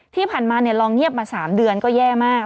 ที่ผ่านมาลองเงียบมา๓เดือนก็แย่มาก